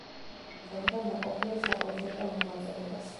ეწეოდა ნაყოფიერ საკონცერტო მოღვაწეობას.